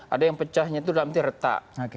ada yang pecahnya itu dalam arti retak